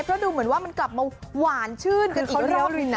เพราะดูเหมือนว่ามันกลับมาหวานชื่นกันอีกรอบนึงนะ